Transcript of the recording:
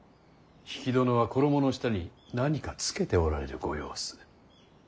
比企殿は衣の下に何か着けておられるご様子。